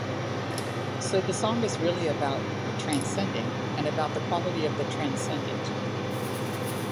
So the song is really about transcending and about the quality of the transcendent.